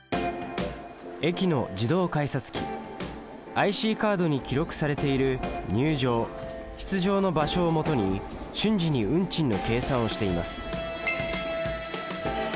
ＩＣカードに記録されている入場出場の場所をもとに瞬時に運賃の計算をしています